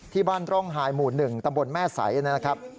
ที่บ้านตรงหายหมู่๑ตำบลแม่ใสนะครับ